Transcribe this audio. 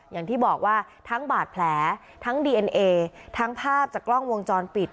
อย่างที่บอกว่าทั้งบาดแผลทั้งดีเอ็นเอทั้งภาพจากกล้องวงจรปิด